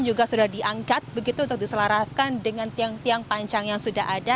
juga sudah diangkat begitu untuk diselaraskan dengan tiang tiang panjang yang sudah ada